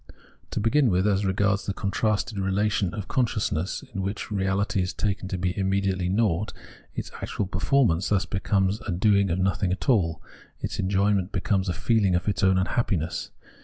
To begin with, as regards the contrasted relation of consciousness, in which its reahty is taken to be imme diately naught, its actual performance thus becomes a doing of nothing at all ; its enjoyment becomes a feehng of its own unhappiness.